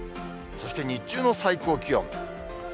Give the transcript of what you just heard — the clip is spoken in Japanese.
そして日中の最高気温。